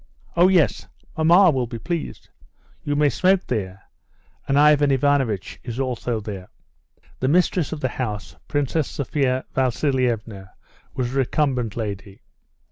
"Oh, yes! Mamma will be pleased. You may smoke there; and Ivan Ivanovitch is also there." The mistress of the house, Princess Sophia Vasilievna, was a recumbent lady.